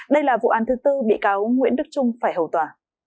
đây là vụ án thứ tư bị cáo nguyễn đức trung phải hầu tòa